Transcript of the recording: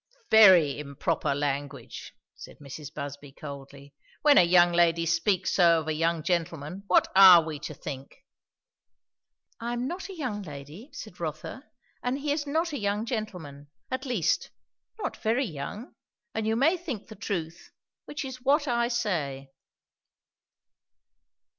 "Very improper language!" said Mrs. Busby coldly. "When a young lady speaks so of a young gentleman, what are we to think?" "I am not a young lady," said Rotha; "and he is not a young gentleman; at least, not very young; and you may think the truth, which is what I say."